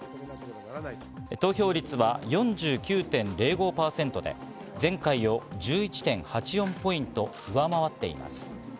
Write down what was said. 投票率は４９．０５％で、前回を１１．８４ポイント上回っています。